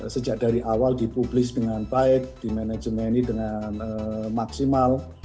sejak dari awal dipublis dengan baik dimanajemeni dengan maksimal